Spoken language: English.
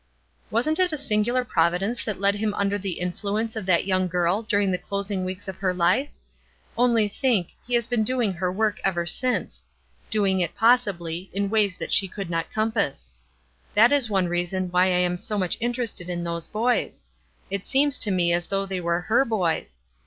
"Wasn't it a singular Providence that led him under the influence of that young girl during the closing weeks of her life? Only think, he has been doing her work ever since, doing it, possibly, in ways that she could not compass. That is one reason why I am so much interested in those boys. It seems to me as though they were her boys.